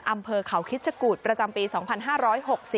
อำเภอเขาคิดชะกูธประจำปี๒๕๖๐